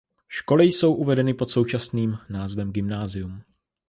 Školy jsou uvedeny pod současným názvem "gymnázium".